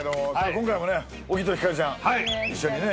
今回もね小木と星ちゃん一緒にね